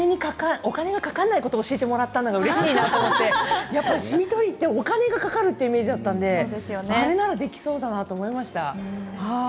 お金がかからないことを教えてもらったのがうれしいなと思ってシミ取りってお金がかかるというイメージだったのであれだったらできるなと思いました。